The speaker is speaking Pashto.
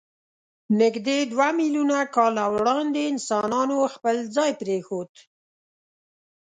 نږدې دوه میلیونه کاله وړاندې انسانانو خپل ځای پرېښود.